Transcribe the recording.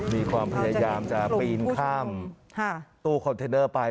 มีความพยายามจะปีนข้ามตู้คอนเทนเนอร์ไป